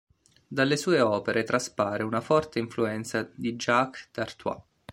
Dalle sue opere traspare una forte influenza di Jacques d'Arthois.